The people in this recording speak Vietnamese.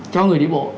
cho người đi bộ